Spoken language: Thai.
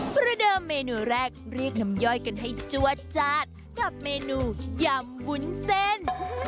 ประเดิมเมนูแรกเรียกน้ำย่อยกันให้จวดจาดกับเมนูยำวุ้นเส้น